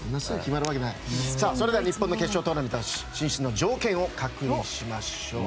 それでは日本の決勝トーナメント進出の条件を確認しましょう。